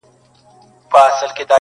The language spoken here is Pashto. ته پاچا هغه فقیر دی بې نښانه٫